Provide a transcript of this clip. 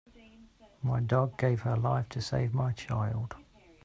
My dog gave her life to save my child.